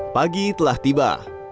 pagi telah tiba